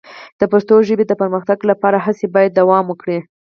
د پښتو ژبې د پرمختګ لپاره هڅې باید دوام وکړي.